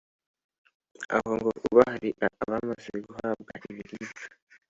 aho ngo ubu hari abamaze guhabwa ibiribwa